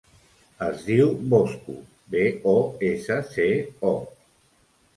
Es diu Bosco: be, o, essa, ce, o.